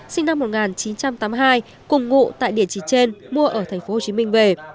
sinh năm một nghìn chín trăm tám mươi hai cùng ngụ tại địa chỉ trên mua ở tp hcm về